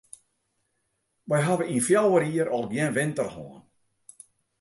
Wy hawwe yn fjouwer jier al gjin winter hân.